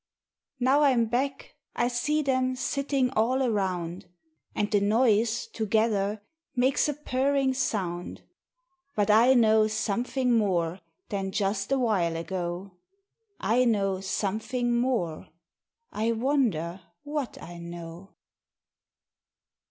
Now I'm back, I see them Sitting all around; And the noise, together, Makes a purring sound. But I know Something More Than just awhile ago. I know Something More! I wonder what I know.